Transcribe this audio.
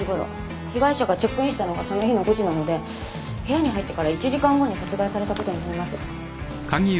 被害者がチェックインしたのがその日の５時なので部屋に入ってから１時間後に殺害されたことになります。